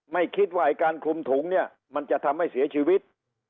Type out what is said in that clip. ไม่คิดว่าไอ้การคลุมถุงเนี่ยมันจะทำให้เสียชีวิต